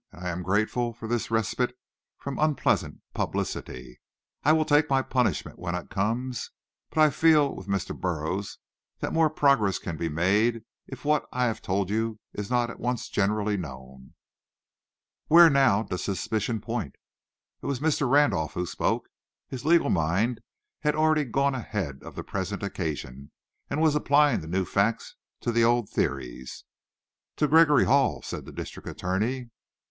"And I am grateful for this respite from unpleasant publicity. I will take my punishment when it comes, but I feel with Mr. Burroughs that more progress can be made if what I have told you is not at once generally known." "Where now does suspicion point?" It was Mr. Randolph who spoke. His legal mind had already gone ahead of the present occasion, and was applying the new facts to the old theories. "To Gregory Hall," said the district attorney.